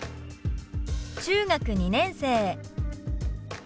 「中学２年生」。